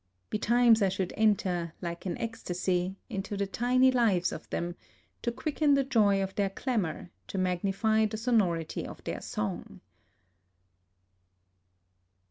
Betimes I should enter, like an ecstasy, into the tiny lives of them, to quicken the joy of their clamor, to magnify the sonority of their song.